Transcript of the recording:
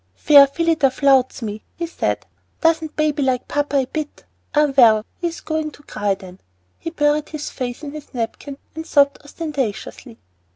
"Fair Phillida flouts me," he said. "Doesn't baby like papa a bit? Ah, well, he is going to cry, then." He buried his face in his napkin and sobbed ostentatiously.